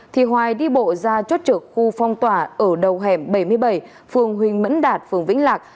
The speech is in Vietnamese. thì hoài đi bộ ra chốt trực khu phong tỏa ở đầu hẻm bảy mươi bảy phường huỳnh mẫn đạt phường vĩnh lạc